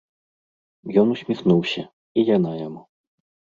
Ён усміхнуўся, і яна яму.